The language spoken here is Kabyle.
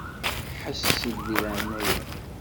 Ḥess-d di leɛnaya-m.